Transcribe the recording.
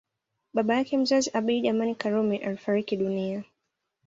Baba yake mzazi Abeid Amani Karume alifariki dunia